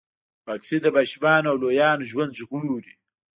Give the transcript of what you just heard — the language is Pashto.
واکسین د ماشومانو او لویانو ژوند ژغوري.